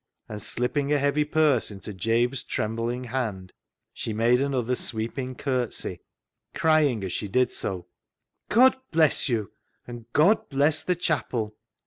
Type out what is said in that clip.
And slipping a heavy purse into Jabe's trembling hand, she made another sweeping curtsey, crying, as she did so, " God bless you, and God bless the chapel